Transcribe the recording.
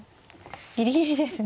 ギリギリですね。